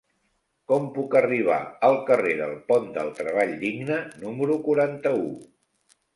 Com puc arribar al carrer del Pont del Treball Digne número quaranta-u?